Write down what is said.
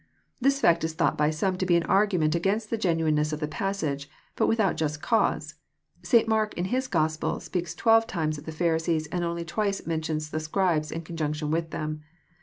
This fact is thought by some to be an argument against the genuineness of the passage, but without Just cause. St. Mark, in his Gospel, speaks twelve times of the Pharisees, and only twice mentions the Scribes in conjunction with them.